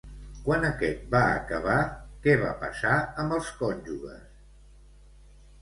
Quan aquest va acabar, què va passar amb els cònjuges?